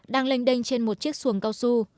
đang lênh đênh trên một chiếc xuồng cao su